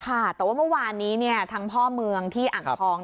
ค่ะแต่ว่าเมื่อวานนี้ทั้งพ่อเมืองที่อ่างทอง